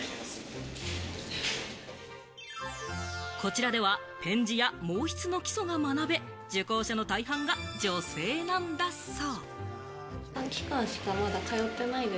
こちらではペン字や毛筆の基礎が学べ、受講者の大半が女性なんだそう。